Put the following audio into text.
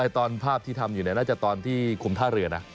ตอนภาพที่ทำอยู่น่าจะตอนที่คุมท่าเรือนะ